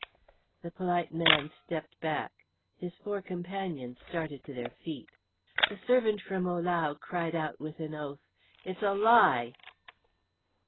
The polite man stepped back; his four companions started to their feet. The servant from Ohlau cried out with an oath, "It's a lie."